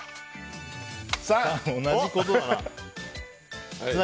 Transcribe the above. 同じことだな。